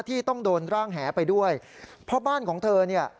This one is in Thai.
ที่ต้องโดนร่างแหไปด้วยเพราะบ้านของเธอเนี่ย